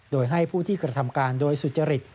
โดยให้ผู้ที่กระทำการโดยสุจริต